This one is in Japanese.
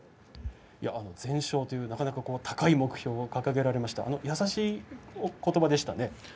全勝という高い目標を掲げられました優しいことばでしたね。